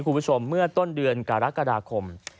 คุณผู้ชมเมื่อต้นเดือนกรกฎาคม